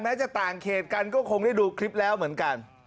จะต่างเขตกันก็คงได้ดูคลิปแล้วเหมือนกัน